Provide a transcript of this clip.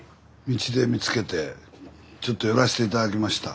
道で見つけてちょっと寄らして頂きました。